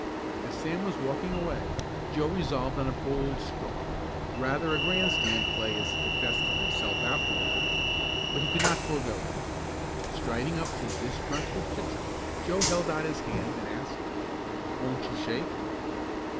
As Sam was walking away Joe resolved on a bold stroke, rather a grandstand play as he confessed to himself afterward, but he could not forego it. Striding up to the disgruntled pitcher Joe held out his hand and asked: "Won't you shake?"